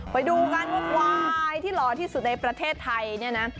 ไปดูกันว่าควายที่หล่อที่สุดในประเทศไทยเนี่ยนะ